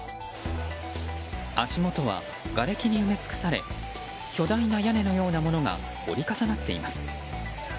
足元は、がれきに埋め尽くされ巨大な屋根のようなものが折り重なっています。